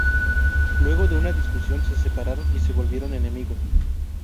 Luego de una discusión se separaron y se volvieron enemigos.